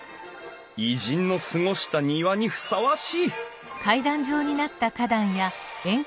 偉人の過ごした庭にふさわしい！